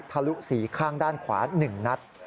ทะลุสีข้างด้านขวา๑นัด